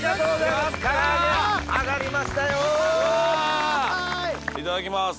いただきます。